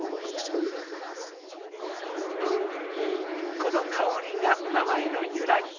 この香りが名前の由来。